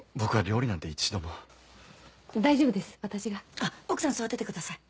あっ奥さんは座っててください。